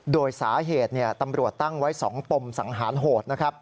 โดยสาเหตุตำรวจตั้งไว้สองปมสังหารโหด